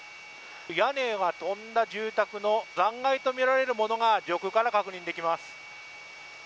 屋根が飛んだ住宅の残骸とみられるものが上空から確認できます。